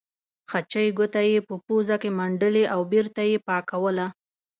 خچۍ ګوته یې په پوزه کې منډلې او بېرته یې پاکوله.